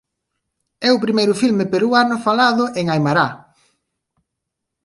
É o primeiro filme peruano falado en aimará.